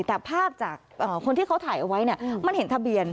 แต่ภาพจากคนที่เขาถ่ายเอาไว้มันเห็นทะเบียน